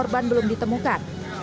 dan belum ditemukan